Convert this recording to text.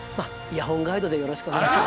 イヤホンガイドでよろしくお願いします。